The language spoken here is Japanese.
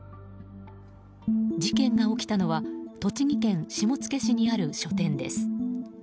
事件が起きたのは栃木県下野市にある書店です。